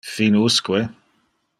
Fin usque?